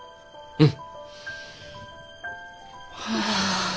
うん？